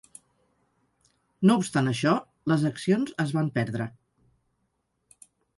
No obstant això, les accions es van perdre.